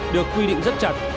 được quy định rất chặt